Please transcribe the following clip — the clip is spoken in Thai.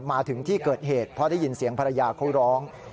มาถึงที่เกิดเหตุเพราะได้ยินเสียงภรรยาเขาร้อง